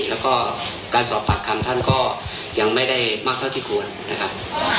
แล้วก็การสอบปากคำท่านก็ยังไม่ได้มากเท่าที่ควรนะครับ